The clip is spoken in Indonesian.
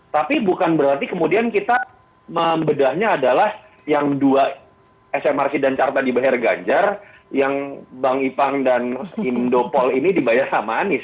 tapi bukan berarti kemudian kita membedahnya adalah yang dua smrc dan carta dibayar ganjar yang bang ipang dan indopol ini dibayar sama anies